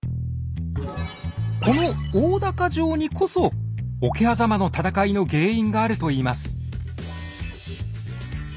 この大高城にこそ桶狭間の戦いの原因があるといいます。